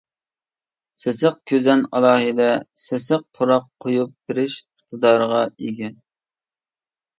سېسىق كۈزەن ئالاھىدە سېسىق پۇراق قويۇپ بېرىش ئىقتىدارىغا ئىگە.